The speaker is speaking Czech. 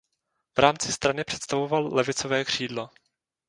V rámci strany představoval levicové křídlo.